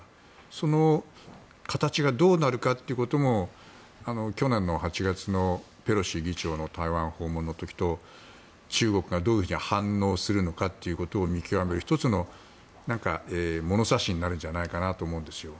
その形がどうなるかってことも去年の８月のペロシ議長の台湾訪問の時と中国がどういうふうに反応するのかということを見極める１つの物差しになるんじゃないかなと思うんですよ。